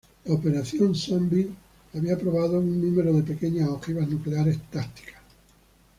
La operación Sunbeam había probado un número de pequeñas ojivas nucleares "tácticas".